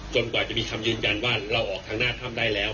กว่าจะมีคำยืนยันว่าเราออกทางหน้าถ้ำได้แล้ว